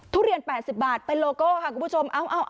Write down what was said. ทุเรียน๘๐บาทเป็นโลโก้ค่ะคุณผู้ชม